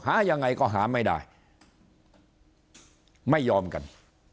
หายังไงก็หาไม่ได้ไม่ยอมกัน